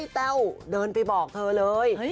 แต้วเดินไปบอกเธอเลย